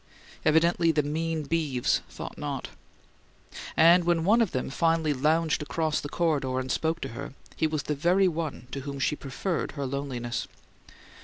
Evidently the mean beeves thought not. And when one of them finally lounged across the corridor and spoke to her, he was the very one to whom she preferred her loneliness.